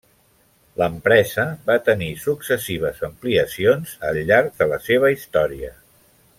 L'empresa va tenir successives ampliacions al llarg de la seva història.